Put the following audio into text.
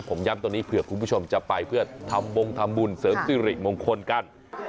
ผมย้ำตรงนี้เผื่อคุณผู้ชมจะไปเพื่อทำบงทำบุญเสริมสิริมงคลกัน